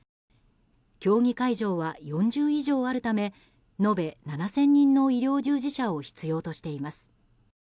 競技会場は４０以上あるため延べ７０００人の医療従事者を必要としています。